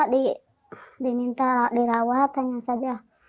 diminta dirawat tanya saja